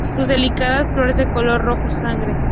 Sus delicadas flores de color rojo sangre.